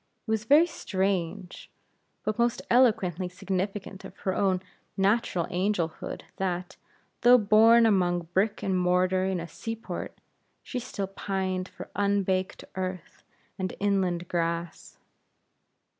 It was very strange, but most eloquently significant of her own natural angelhood that, though born among brick and mortar in a sea port, she still pined for unbaked earth and inland grass.